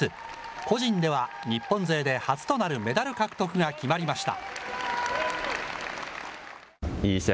個人では日本勢で初となるメダル獲得が決まりました。